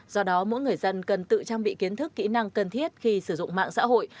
do đó mỗi người dân cần tự trang bị kiến thức kỹ năng cần thiết khi sử dụng mạng xã hội